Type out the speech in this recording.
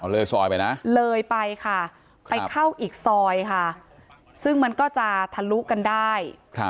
เลยซอยไปนะเลยไปค่ะไปเข้าอีกซอยค่ะซึ่งมันก็จะทะลุกันได้